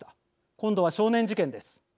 今度は少年事件です。